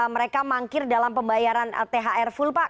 mereka mangkir dalam pembayaran thr full pak